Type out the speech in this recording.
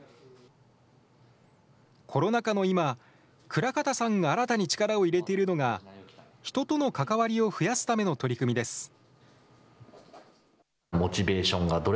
コロナ禍の今、倉片さんが新たに力を入れているのが、人との関わりを増やすための取り組みです。